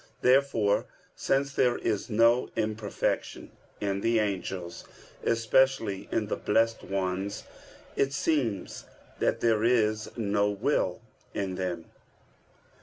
Therefore, since there is no imperfection in the angels, especially in the blessed ones, it seems that there is no will in them.